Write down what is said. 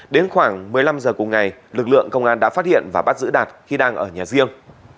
đến khoảng một mươi năm h cùng ngày lực lượng công an đã phát hiện và bắt giữ đạt khi đang ở nhà riêng